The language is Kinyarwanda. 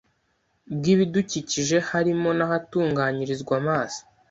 bw ibidukikije harimo n ahatunganyirizwa amazi